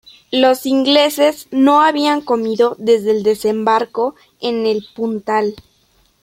Los ingleses no habían comido desde el desembarco en el Puntal.